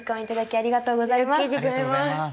ありがとうございます。